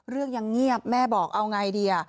เรื่องยังเงียบแม่บอกเอาไงดี